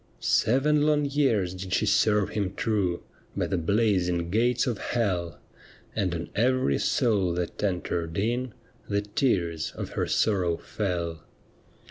Seven long years did she serve him true By the blazing gates of hell, And on every soul that entered in The tears of her sorrow fell.